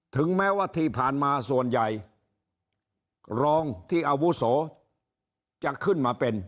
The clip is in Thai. ถึงแม้ว่าที่ผ่านมาส่วนใหญ่รองที่อาวุโสจะขึ้นมาเป็น